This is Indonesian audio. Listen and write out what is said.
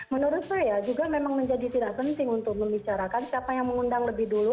menurut saya juga memang menjadi tidak penting untuk membicarakan siapa yang mengundang lebih dulu